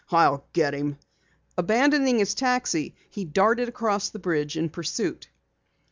"I'll get him!" Abandoning his taxi, he darted across the bridge in pursuit.